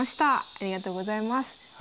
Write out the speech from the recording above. ありがとうございます。